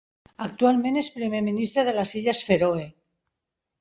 Actualment és primer ministre de les Illes Fèroe.